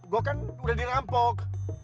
gue kan udah dirampok